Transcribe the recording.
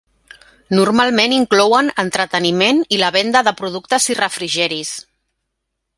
Normalment inclouen entreteniment i la venda de productes i refrigeris.